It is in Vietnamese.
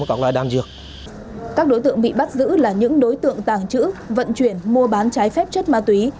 các đối tượng bị bắt giữ là những đối tượng tàng trữ vận chuyển mua bán trái phép chất ma túy